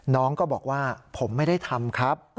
น้องก็บอกว่าผมไม่ได้ทำครับ